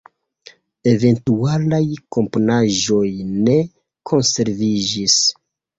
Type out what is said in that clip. Eventualaj komponaĵoj ne konserviĝis.